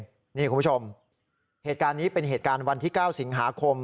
ทีนี้คุณผู้ชมเหตุการณ์นี้เป็นวันที่๙สิงหาคม